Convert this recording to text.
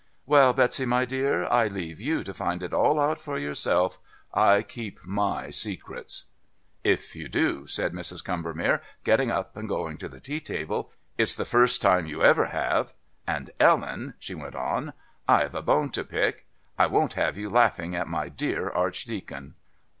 "Well, Betsy, my dear, I leave you to find it all out for yourself.... I keep my secrets." "If you do," said Mrs. Combermere, getting up and going to the tea table, "it's the first time you ever have. And Ellen," she went on, "I've a bone to pick. I won't have you laughing at my dear Archdeacon."